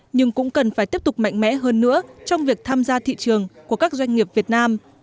nhưng cũng cần phải tiếp tục mạnh mẽ hơn nữa trong việc tham gia thị trường của các doanh nghiệp việt nam